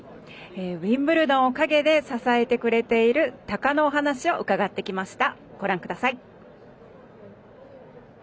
ウィンブルドンを陰で支えているタカのお話を伺ってきました。